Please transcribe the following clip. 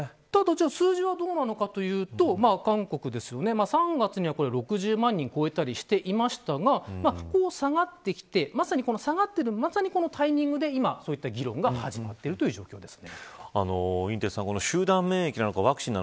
数字はどうなのかというと韓国は３月に６０万人を超えたりしていましたが下がってきて、まさに下がってるこのタイミングで今、議論が始まっているということです。